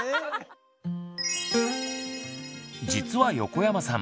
実は横山さん